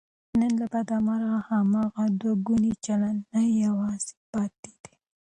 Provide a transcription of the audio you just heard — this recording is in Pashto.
نن له بده مرغه، هماغه دوهګونی چلند نه یوازې پاتې دی